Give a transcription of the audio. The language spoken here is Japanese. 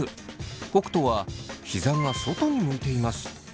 北斗はひざが外に向いています。